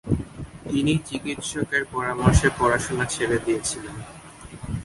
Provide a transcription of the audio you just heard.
তিনি চিকিৎসকদের পরামর্শে পড়াশোনা ছেড়ে দিয়েছিলেন।